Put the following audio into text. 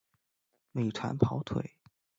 美团跑腿